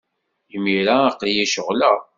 Imir-a, aql-iyi ceɣleɣ.